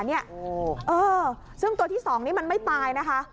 เออซึ่งตัวที่๒นี้มันไม่ตายนะคะ